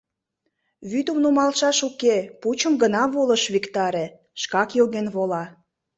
Вӱдым нумалшаш уке, пучым гына волыш виктаре — шкак йоген вола.